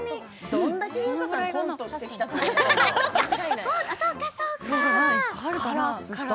どれだけ優香さん、コントをしてきたかと。